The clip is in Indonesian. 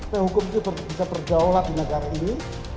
supaya hukum itu bisa berdaulat di negara ini